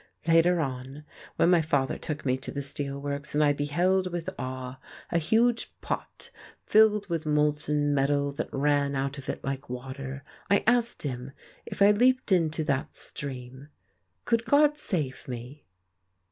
Later on, when my father took me to the steel works, and I beheld with awe a huge pot filled with molten metal that ran out of it like water, I asked him if I leaped into that stream, could God save me?